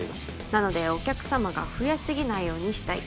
なのでお客様が増えすぎないようにしたい